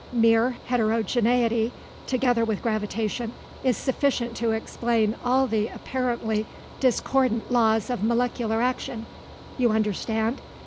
Mere heterogeneity, together with gravitation, is sufficient to explain all the apparently discordant laws of molecular action. You understand?